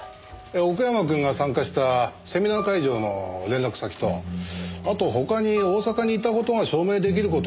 奥山くんが参加したセミナー会場の連絡先とあと他に大阪にいた事が証明出来る事はないかって。